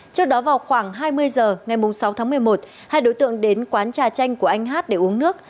trước đó vào khoảng hai mươi h ngày sáu tháng một mươi một hai đối tượng đến quán trà chanh của anh hát để uống nước